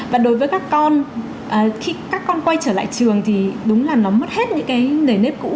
và đối với các con khi các con quay trở lại trường thì đúng là nó mất hết những cái nền nếp cũ